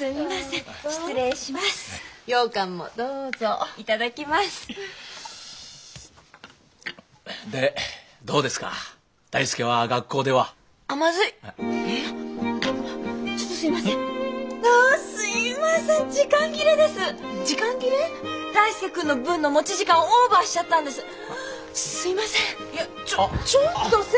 いやちょちょっと先生！